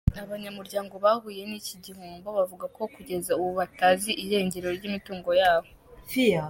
Abanyamuryango bahuye n’iki gihombo bavuga ko kugeza ubu batazi irengero ry’imitungo yabo.